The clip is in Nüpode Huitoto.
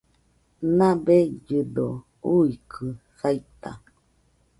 Nabellɨdo uikɨ saita